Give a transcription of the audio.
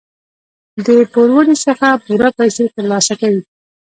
د پوروړي څخه پوره پیسې تر لاسه کوي.